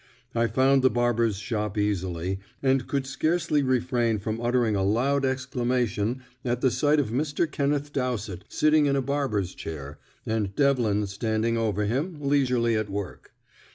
I found the barber's shop easily, and could scarcely refrain from uttering a loud exclamation at the sight of Mr. Kenneth Dowsett sitting in a barber's chair, and Devlin standing over him, leisurely at work.